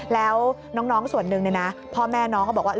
แล้วน้องส่วนหนึ่งพ่อแม่น้องก็บอกว่า